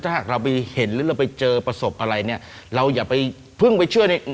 ถ้าหากเราไปเห็นหรือเราไปเจอประสบอะไรเนี่ยเราอย่าไปเพิ่งไปเชื่อใน